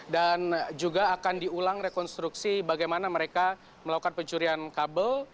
dan juga akan diulang rekonstruksi bagaimana mereka melakukan pencurian kabel